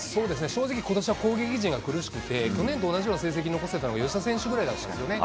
正直、ことしは攻撃陣が苦しくて、去年と同じような成績を残せたのは、吉田選手ぐらいですけどね。